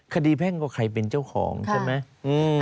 คดีแพ่งก็ใครเป็นเจ้าของใช่ไหม